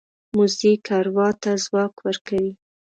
موزیک اروا ته ځواک ورکوي.